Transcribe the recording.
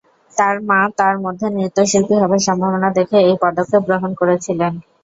তাঁর মা তাঁর মধ্যে নৃত্যশিল্পী হবার সম্ভাবনা দেখে এই পদক্ষেপ গ্রহণ করেছিলেন।